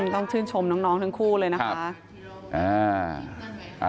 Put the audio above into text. ต้องชื่นชมน้องทั้งคู่เลยนะคะ